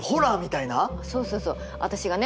そうそうそう私がね